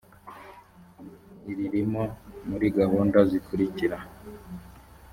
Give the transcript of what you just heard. iririmo muri gahunda zikurikira